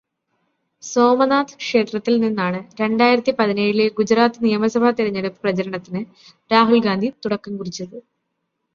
സോമനാഥ് ക്ഷേത്രത്തില് നിന്നാണ് രണ്ടായിരത്തി പതിനേഴിലെ ഗുജറാത്ത് നിയമസഭാ തെരഞ്ഞെടുപ്പ് പ്രചരണത്തിന് രാഹുല് ഗാന്ധി തുടക്കം കുറിച്ചത്..